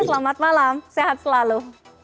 selamat malam sehat selalu